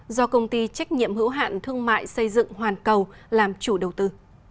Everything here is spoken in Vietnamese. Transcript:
do công ty trách nhiệm hữu hạn thương mại xây dựng hoàn cầu làm chủ đầu tư